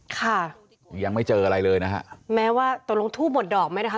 ค่ะยังไม่เจออะไรเลยนะฮะแม้ว่าตกลงทูบหมดดอกไหมนะคะ